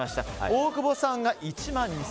大久保さんが１万２８００円。